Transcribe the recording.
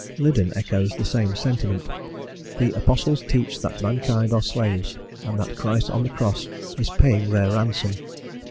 Liddon echoes the same sentiment: "the apostles teach that mankind are slaves, and that Christ on the Cross is paying their ransom.